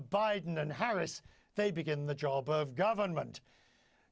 bagi biden dan harris mereka mulai kerja di pemerintah